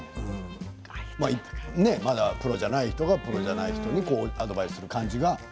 まだプロじゃない人がプロじゃない人にアドバイスする感じが。